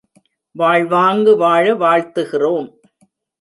வாழ்வாங்கு வாழ வாழ்த்துகிறோம்.